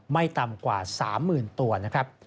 ไม่ต่ำกว่า๓๐๐๐ตัวนะครับ